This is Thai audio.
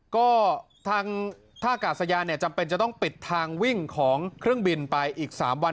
ก็ทางท่ากาศยานเนี่ยจำเป็นจะต้องปิดทางวิ่งของเครื่องบินไปอีก๓วัน